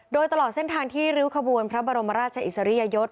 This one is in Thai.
โดยตลอดเส้นทางที่ริ้วขบวนพระบรมราชอิสริยยศ